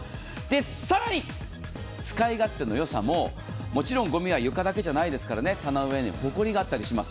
更に使い勝手の良さももちろんごみは床だけではあせから、棚上にもホコリがあったりします。